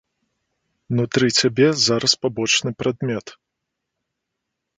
Унутры цябе зараз пабочны прадмет.